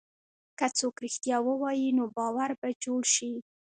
که څوک رښتیا ووایي، نو باور به جوړ شي.